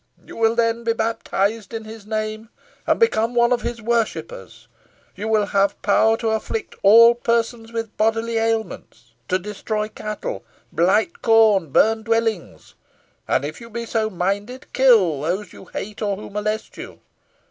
You will then be baptised in his name, and become one of his worshippers. You will have power to afflict all persons with bodily ailments to destroy cattle blight corn burn dwellings and, if you be so minded, kill those you hate, or who molest you.